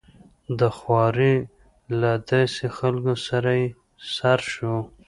د خوارې له داسې خلکو سره يې سر شو.